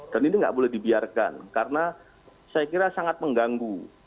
dan ini nggak boleh dibiarkan karena saya kira sangat mengganggu